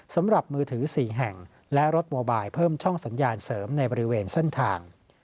สำหรับมือถือ๔แห่งและรถโมบายเพิ่มช่องสัญญาณเสริมในบริเวณเส้นทาง